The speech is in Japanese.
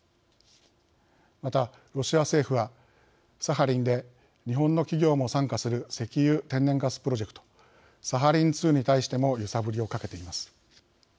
また、ロシア政府はサハリンで日本の企業も参加する石油天然ガスプロジェクトサハリン２に対しても揺さぶりをかけています。